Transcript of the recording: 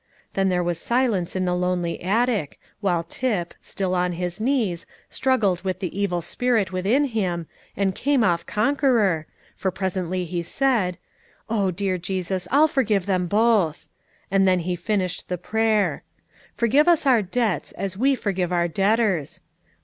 Then there was silence in the lonely attic, while Tip, still on his knees, struggled with the evil spirit within him, and came off conqueror, for presently he added, "Oh, dear Jesus, I'll forgive them both!" and then he finished the prayer "forgive us our debts, as we forgive our debtors."